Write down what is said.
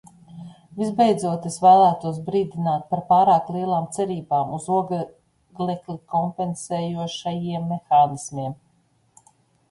Visbeidzot es vēlētos brīdināt par pārāk lielām cerībām uz oglekli kompensējošajiem mehānismiem.